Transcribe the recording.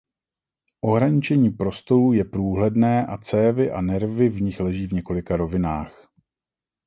Ohraničení prostorů je průhledné a cévy a nervy v nich leží v několika rovinách.